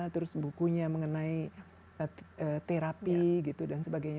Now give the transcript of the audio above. terus bukunya mengenai terapi gitu dan sebagainya